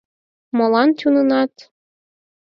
Молан тӱҥынат?